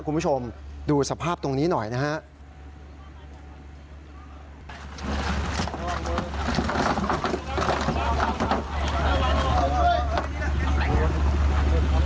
คุณผู้ชมดูสภาพตรงนี้หน่อยนะครับ